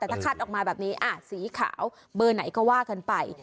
แต่ถ้าคัดออกมาแบบนี้สีขาวเบอร์ไหนก็ว่ากันไป